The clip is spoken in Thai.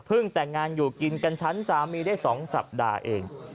แต่งงานอยู่กินกันชั้นสามีได้๒สัปดาห์เอง